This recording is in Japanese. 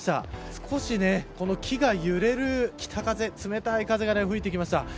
少し木が揺れる北風冷たい風が吹いてきました。